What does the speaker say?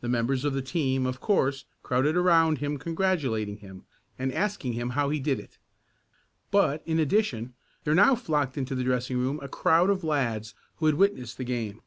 The members of the team, of course, crowded around him congratulating him, and asking him how he did it. But, in addition, there now flocked into the dressing room a crowd of lads who had witnessed the game.